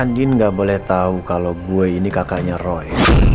andin gak boleh tahu kalau gue ini kakaknya roy